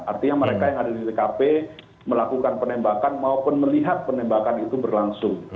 artinya mereka yang ada di tkp melakukan penembakan maupun melihat penembakan itu berlangsung